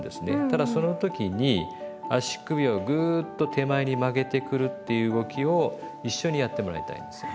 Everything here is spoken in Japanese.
ただその時に足首をグーッと手前に曲げてくるっていう動きを一緒にやってもらいたいんですよ。